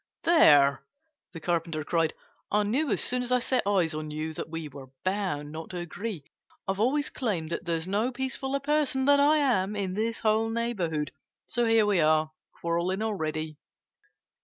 "There!" the Carpenter cried. "I knew as soon as I set eyes on you that we were bound not to agree.... I've always claimed that there's no peacefuller person than I am in this whole neighborhood. So here we are, quarreling already!"